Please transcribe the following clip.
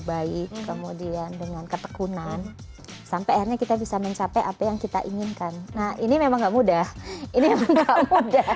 baik kemudian dengan ketekunan sampai akhirnya kita bisa mencapai apa yang kita inginkan nah ini memang enggak mudah ini nggak mudah